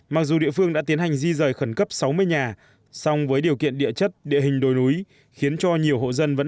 mặc dù địa phương đã tiến hành di rời khẩn cấp sáu mươi nhà song với điều kiện địa chất địa hình đồi núi